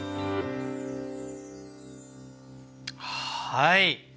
はい。